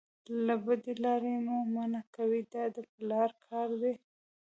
له بدې لارې مو منع کوي دا د پلار کار دی.